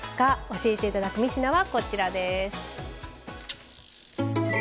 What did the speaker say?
教えていただく３品はこちらです。